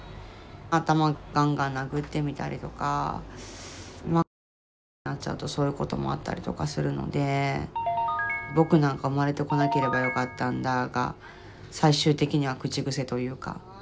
頭ガンガン殴ってみたりとかマックス状態になっちゃうとそういうこともあったりとかするので「僕なんか生まれてこなければよかったんだ」が最終的には口癖というか。